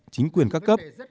chính quyền các cấp